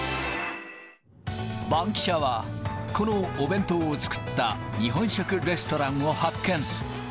バンキシャは、このお弁当を作った日本食レストランを発見。